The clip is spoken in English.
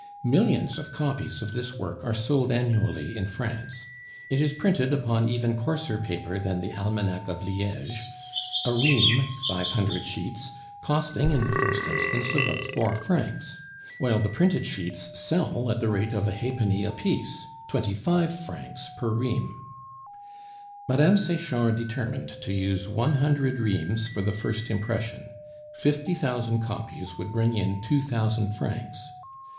Millions of copies of this work are sold annually in France. It is printed upon even coarser paper than the Almanac of Liege, a ream (five hundred sheets) costing in the first instance about four francs; while the printed sheets sell at the rate of a halfpenny apiece twenty five francs per ream. Mme. Sechard determined to use one hundred reams for the first impression; fifty thousand copies would bring in two thousand francs.